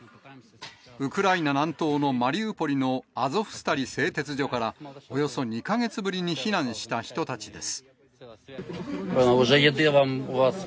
ウクライナ南東のマリウポリのアゾフスタリ製鉄所からおよそ２か月ぶりに避難した人たちです。